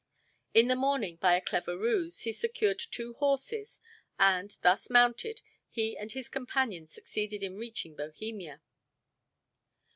In the morning, by a clever ruse, he secured two horses and, thus mounted, he and his companion succeeded in reaching Bohemia.